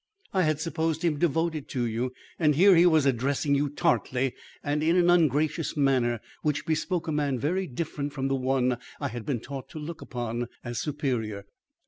I had supposed him devoted to you, and here he was addressing you tartly and in an ungracious manner which bespoke a man very different from the one I had been taught to look upon as superior.